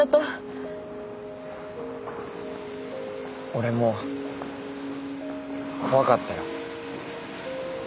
俺も怖かったよ。